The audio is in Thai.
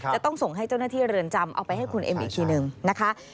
จะต้องส่งให้เจ้าหน้าที่เรือนจำเอาไปให้คุณเอ็มอีกทีหนึ่งนะคะ